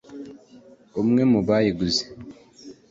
umwe mu bayiguze